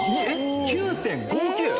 「９．５９！」